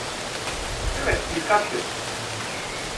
Evet, birkaç kez.